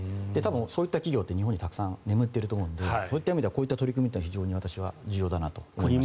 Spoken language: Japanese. そういった企業って日本にたくさん眠っていると思うのでそういった意味ではこの部分は非常に重要だなと思います。